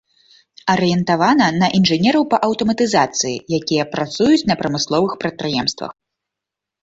Арыентавана на інжынераў па аўтаматызацыі, якія працуюць на прамысловых прадпрыемствах.